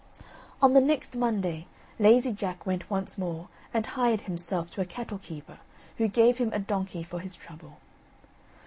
On the next Monday, Lazy Jack went once more, and hired himself to a cattle keeper, who gave him a donkey for his trouble.